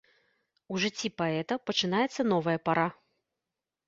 У жыцці паэта пачынаецца новая пара.